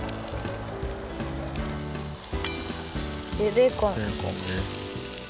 ベーコン。